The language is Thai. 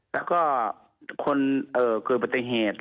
แล้วก็คนเกิดปฏิเหตุ